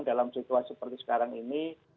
dalam situasi seperti sekarang ini